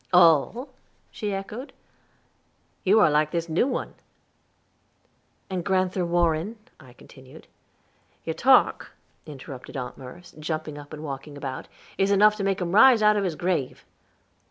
"All?" she echoed; "you are like this new one." "And Grand'ther Warren" I continued. "Your talk," interrupted Aunt Merce, jumping up and walking about, "is enough to make him rise out of his grave."